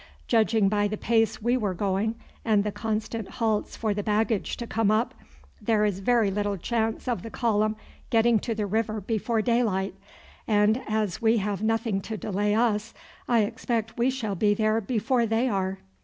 Judging by the pace we were going, and the constant halts for the baggage to come up, there is very little chance of the column getting to the river before daylight; and as we have nothing to delay us, I expect we shall be there before they are."